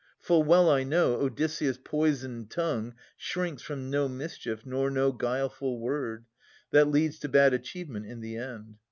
Full well I know, Odysseus' poisoned tongue Shrinks from no mischief nor no guileful word That leads to bad achievement in the end.